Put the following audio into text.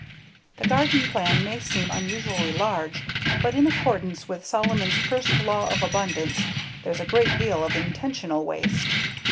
The garden plan may seem unusually large, but in accordance with Solomon's First Law of Abundance, there's a great deal of intentional waste.